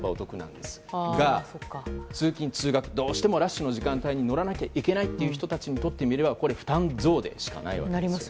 でも、通勤・通学のどうしてもラッシュの時間帯に乗らなきゃいけない人にとってみれば負担増でしかないんです。